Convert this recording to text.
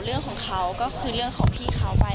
เรื่องของเขาก็คือเรื่องของพี่เขาไป